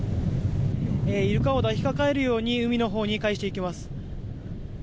イルカを抱きかかえるように海のほうにかえしていきます。